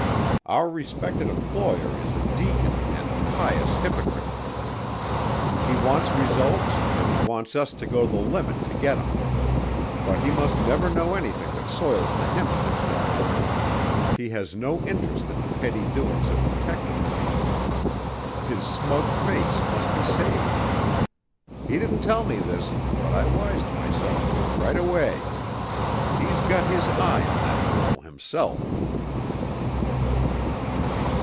Our respected employer is a deacon and a pious hypocrite. He wants results and he wants us to go the limit to get 'em. But he must never know anything that soils the hem of his garment. He has no interest in the petty doings of detectives. His smug face must be saved. He didn't tell me this, but I wised myself to it right away. He's got his eye on that girl, himself."